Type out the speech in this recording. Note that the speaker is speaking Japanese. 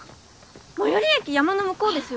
最寄り駅山の向こうですよ？